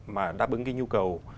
mà đáp ứng cái nhu cầu